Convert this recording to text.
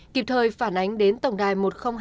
kịp thời phản ánh đến tổng đài một nghìn hai mươi hai